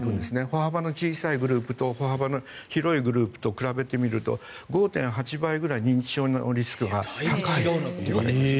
歩幅の小さいグループと歩幅の広いグループと比べてみると５．８倍くらい認知症のリスクが高いんです。